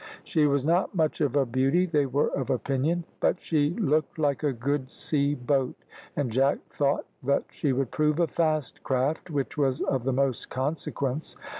She was not much of a beauty, they were of opinion; but she looked like a good sea boat, and Jack thought that she would prove a fast craft, which was of the most consequence.